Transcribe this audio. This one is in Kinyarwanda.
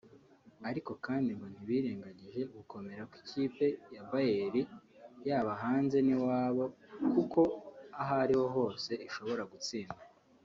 ariko kandi ngo ntibirengagije ugukomera kw’ikipe ya Bayern yaba hanze n’iwayo kuko ahariho hose ishobora gutsinda